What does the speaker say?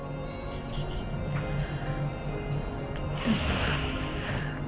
iya mama mau tidur